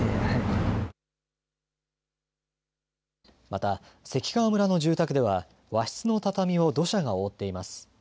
また関川村の住宅では和室の畳を土砂が覆っています。